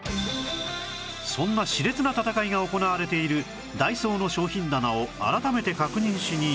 そんな熾烈な戦いが行われているダイソーの商品棚を改めて確認しに行くと